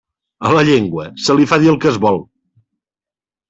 A la llengua se li fa dir el que es vol.